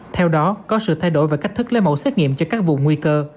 theo đó có sự thay đổi về cách thức lấy mẫu xét nghiệm cho các vùng nguy cơ